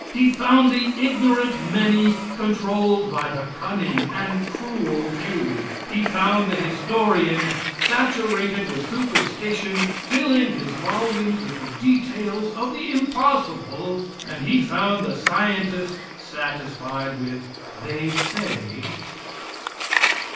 He found the ignorant many controlled by the cunning and cruel few. He found the historian, saturated with superstition, filling his volumes with the details of the impossible, and he found the scientists satisfied with "they say."